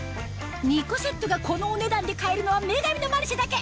２個セットがこのお値段で買えるのは『女神のマルシェ』だけ！